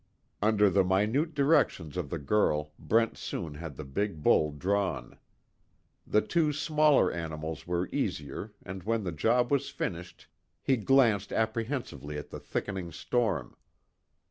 Under the minute directions of the girl Brent soon had the big bull drawn. The two smaller animals were easier and when the job was finished he glanced apprehensively at the thickening storm.